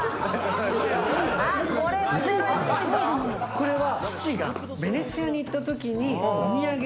これは。